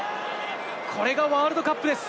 これがワールドカップです。